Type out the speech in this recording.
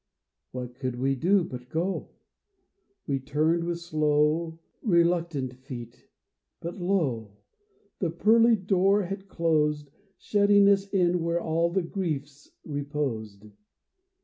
What could we do but go ? We turned with slow, reluctant feet, but lo ! The pearly door had closed, Shutting us in where all the Griefs reposed.